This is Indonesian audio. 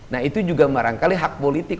nah itu juga barangkali hak politik